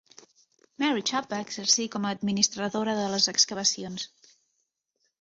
Mary Chubb va exercir com a administradora de les excavacions.